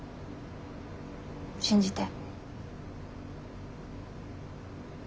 信じて。